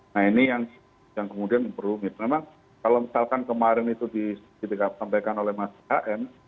nah ini yang kemudian berumit memang kalau misalkan kemarin itu ditegakkan oleh mas an